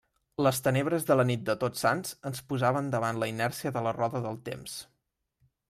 Les tenebres de la nit de Tots Sants ens posaven davant la inèrcia de la roda del temps.